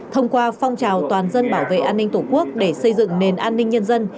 thông qua phong trào toàn dân bảo vệ an ninh tổ quốc để xây dựng nền an ninh nhân dân